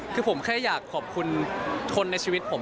คือผมแค่อยากขอบคุณคนในชีวิตผม